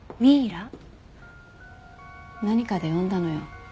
何かで読んだのよ。